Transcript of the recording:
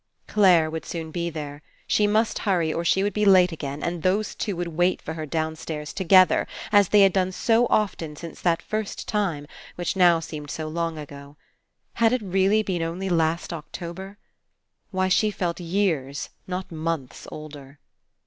Clare would soon be there. She must hurry or she would be late again, and those two would wait for her downstairs together, as they had done so often since that first time, which now seemed so long ago. Had it been really only last October? Why, she felt years, not months, older.